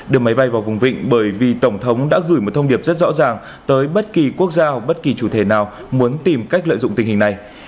đưa máy bay vào vùng vịnh bởi vì tổng thống đã gửi một thông điệp rất rõ ràng tới bất kỳ quốc gia bất kỳ chủ thể nào muốn tìm cách lợi dụng tình hình này